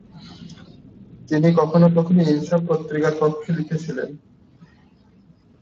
তিনি কখনও কখনও "ইনসাফ" পত্রিকার পক্ষে লিখেছিলেন।